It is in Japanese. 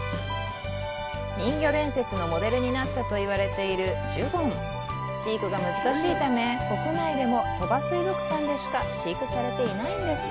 金魚伝説のモデルになったといわれているジュゴン飼育が難しいため国内でも鳥羽水族館でしか飼育されていないんです